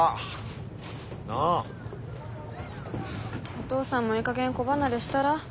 お父さんもいいかげん子離れしたら？